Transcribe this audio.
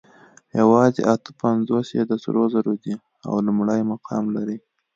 یواځې اته پنځوس یې د سرو زرو دي او لومړی مقام لري